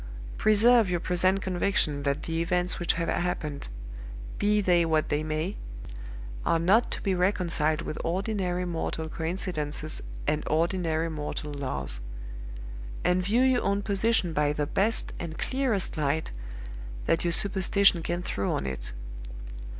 "Preserve your present conviction that the events which have happened (be they what they may) are not to be reconciled with ordinary mortal coincidences and ordinary mortal laws; and view your own position by the best and clearest light that your superstition can throw on it.